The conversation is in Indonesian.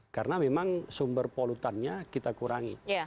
karena memang sumber polutannya kita kurangi